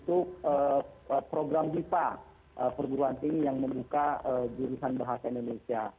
itu program bipa perguruan tinggi yang membuka jurusan bahasa indonesia